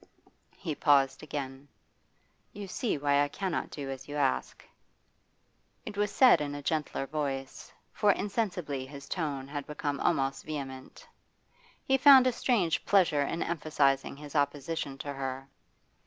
He paused again. 'You see why I cannot do what you ask.' It was said in a gentler voice, for insensibly his tone had become almost vehement. He found a strange pleasure in emphasising his opposition to her.